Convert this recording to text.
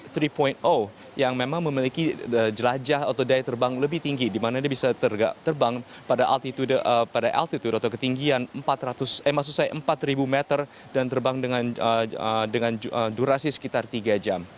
coax tiga yang memang memiliki jelajah atau daya terbang lebih tinggi dimana dia bisa terbang pada altitude atau ketinggian empat meter dan terbang dengan durasi sekitar tiga jam